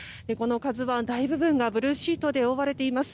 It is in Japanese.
この「ＫＡＺＵ１」大部分がブルーシートで覆われています。